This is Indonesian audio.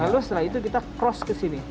lalu setelah itu kita cross ke sini